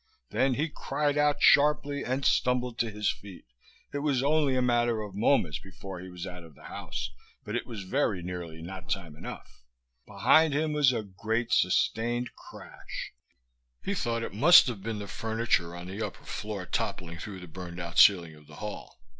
Then he cried out sharply and stumbled to his feet. It was only a matter of moments before he was out of the house, but it was very nearly not time enough. Behind him was a great, sustained crash. He thought it must have been the furniture on the upper floor toppling through the burned out ceiling of the hall.